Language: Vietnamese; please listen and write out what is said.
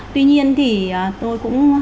tuy nhiên thì tôi cũng